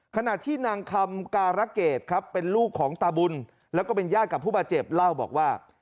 ขณะที่นางคำการะเกดครับเป็นลูกของตาบุญแล้วก็เป็นญาติกับผู้บาดเจ็บเล่าบอกว่า